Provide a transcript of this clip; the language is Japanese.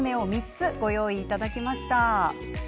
３つご用意いただきました。